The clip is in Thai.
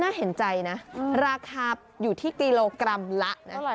เห็นใจนะราคาอยู่ที่กิโลกรัมละนะ